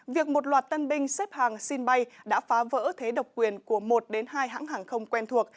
việc một loạt tân binh xếp hàng xin bay đã phá vỡ thế độc quyền của một đến hai hãng hàng không quen thuộc